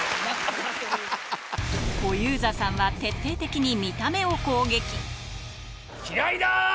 小遊三さんは徹底的に見た目気合いだー！